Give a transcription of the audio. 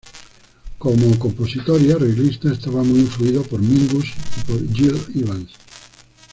Como compositor y arreglista, está muy influido por Mingus y por Gil Evans.